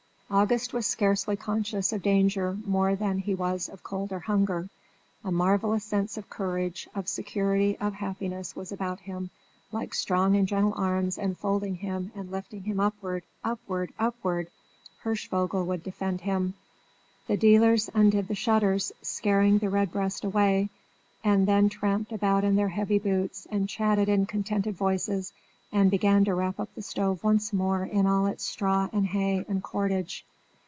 August was scarcely conscious of danger more than he was of cold or hunger. A marvellous sense of courage, of security, of happiness, was about him, like strong and gentle arms enfolding him and lifting him upward upward upward! Hirschvogel would defend him. The dealers undid the shutters, scaring the red breast away; and then tramped about in their heavy boots and chatted in contented voices, and began to wrap up the stove once more in all its straw and hay and cordage.